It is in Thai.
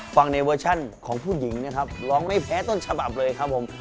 ในเวอร์ชันของผู้หญิงนะครับร้องไม่แพ้ต้นฉบับเลยครับผม